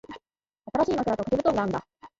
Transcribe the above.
新しい枕と掛け布団があんだ。